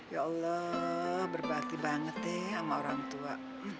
ya allah berbakti banget nih sama orang tua